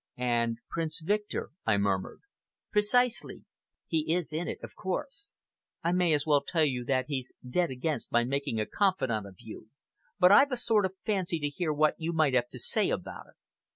"And Prince Victor?" I murmured. "Precisely! He is in it, of course. I may as well tell you that he's dead against my making a confidant of you; but I've a sort of fancy to hear what you might have to say about it.